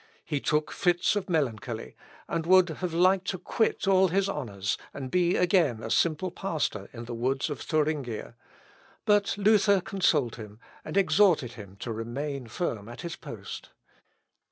He took fits of melancholy, and would have liked to quit all his honours, and be again a simple pastor in the woods of Thuringia; but Luther consoled him, and exhorted him to remain firm at his post.